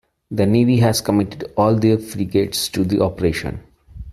The Navy has committed all their frigates to the operation.